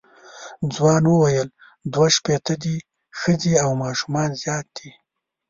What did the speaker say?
ځوان وویل دوه شپېته دي ښځې او ماشومان زیات دي.